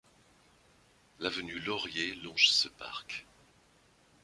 L'avenue Laurier longe ce parc.